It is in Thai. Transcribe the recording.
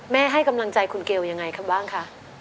ให้กำลังใจคุณเกลยังไงบ้างคะ